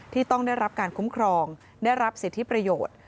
ที่ต้องได้รับการคุ้มครองได้รับสิทธิประโยชน์